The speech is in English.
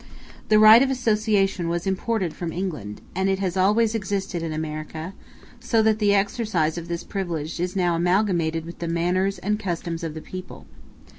The right of association was imported from England, and it has always existed in America; so that the exercise of this privilege is now amalgamated with the manners and customs of the people.